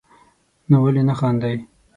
نو ولي نه خاندئ